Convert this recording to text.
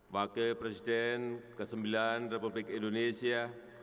wakil presiden ke sembilan republik indonesia